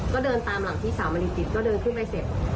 ก็เดินตามหลังพี่สาวมณีกิจก็เดินขึ้นไปเสร็จ